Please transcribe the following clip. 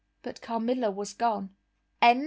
But Carmilla was gone. VIII.